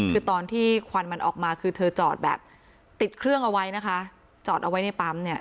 คือตอนที่ควันมันออกมาคือเธอจอดแบบติดเครื่องเอาไว้นะคะจอดเอาไว้ในปั๊มเนี่ย